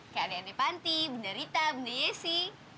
kayak adik adik panti bunda rita bunda yesi